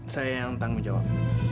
saya yang hantar menjawab